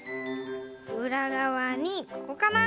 うらがわにここかな？